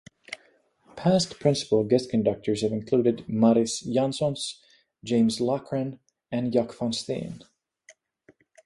Past principal guest conductors have included Maris Jansons, James Loughran and Jac van Steen.